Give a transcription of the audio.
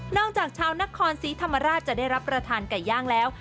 จากชาวนครศรีธรรมราชจะได้รับประทานไก่ย่างแล้ว